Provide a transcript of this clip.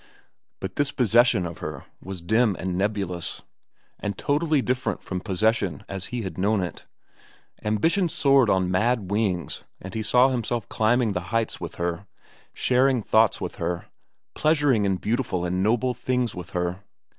But this possession of her was dim and nebulous and totally different from possession as he had known it. Ambition soared on mad wings, and he saw himself climbing the heights with her, sharing thoughts with her, pleasuring in beautiful and noble things with her.